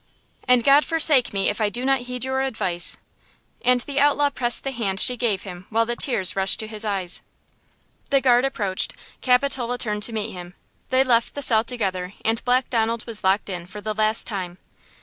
And God forsake me if I do not heed your advice!" and the outlaw pressed the hand she gave him while the tears rushed to his eyes. The guard approached; Capitola turned to meet him. They left the cell together and Black Donald was locked in for the last time!